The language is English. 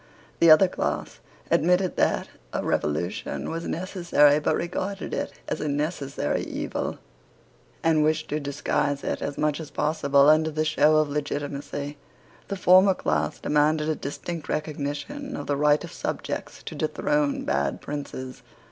The other class admitted that a revolution was necessary, but regarded it as a necessary evil, and wished to disguise it, as much as possible, under the show of legitimacy. The former class demanded a distinct recognition of the right of subjects to dethrone bad princes.